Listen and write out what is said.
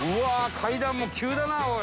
階段も急だなおい。